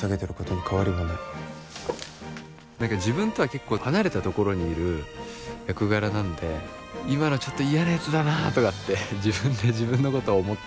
何か自分とは結構離れたところにいる役柄なんで今のちょっと嫌なやつだなとかって自分で自分のことを思ったり。